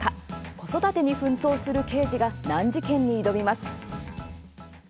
子育てに奮闘する刑事が難事件に挑みます。